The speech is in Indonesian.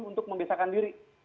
untuk membesarkan diri